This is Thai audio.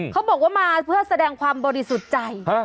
เขาบอกว่ามาเพื่อแสดงความบริสุทธิ์ใจ